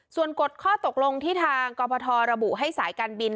ส่วนกฎข้อตกลงที่ทางกรพทระบุให้สายการบิน